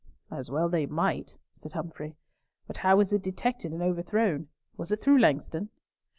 "As well they might," said Humfrey. "But how was it detected and overthrown? Was it through Langston?"